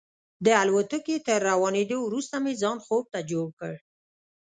د الوتکې تر روانېدو وروسته مې ځان خوب ته جوړ کړ.